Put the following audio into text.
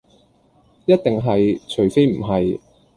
一定係除非唔係